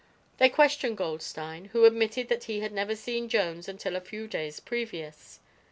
They questioned Goldstein, who admitted that he had never seen Jones until a few days previous.